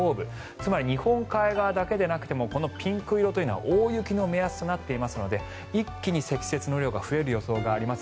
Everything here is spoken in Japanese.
つまり日本海側だけでなくこのピンク色というのは大雪の目安となっていますので一気に積雪の量が増える予想があります。